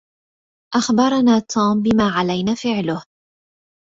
أخبرنا توم بما علينا فعله.